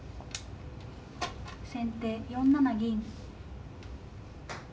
先手４七銀。